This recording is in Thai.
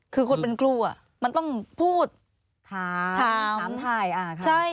คือคนเป็นครูมันต้องพูดถามถ่าย